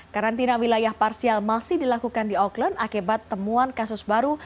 karantina wilayah parsial masih dilakukan di auckland akibat temuan kasus baru